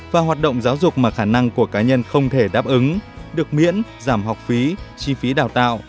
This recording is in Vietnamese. và hoạt động giáo dục mà khả năng của cá nhân không thể đáp ứng được miễn giảm học phí chi phí đào tạo